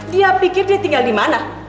dia pikir dia tinggal dimana